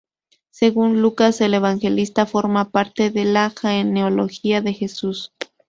Según Lucas el Evangelista, forma parte de la genealogía de Jesús.